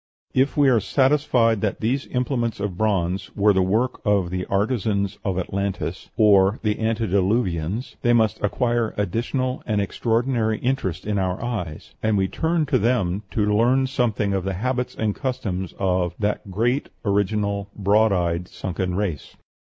If we are satisfied that these implements of bronze were the work of the artisans of Atlantis of the antediluvians they must acquire additional and extraordinary interest in our eyes, and we turn to them to learn something of the habits and customs of "that great, original, broad eyed, sunken race."